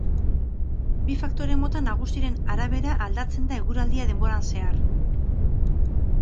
Bi faktore mota nagusiren arabera aldatzen da eguraldia denboran zehar.